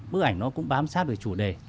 bức ảnh nó cũng bám sát về chủ đề